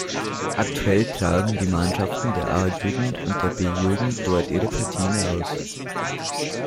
Aktuell tragen die Mannschaften der A-Jugend und der B-Jugend dort ihre Partien aus.